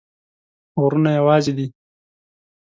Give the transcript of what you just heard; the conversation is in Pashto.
غرونه یوازي دي